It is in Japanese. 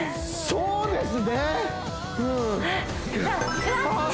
そうです